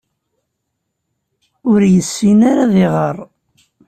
Ur yessin ara ad iɣeṛ.